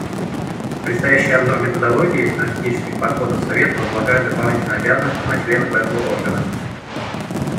Предстоящий обзор методологии и стратегических подходов Совета возлагает дополнительные обязанности на членов этого органа.